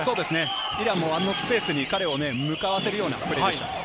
イランもあの角度に彼を向かわせるプレーでした。